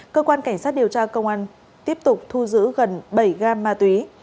cơ quan cảnh sát điều tra công an tiếp tục thu giữ gần bảy gam ma túy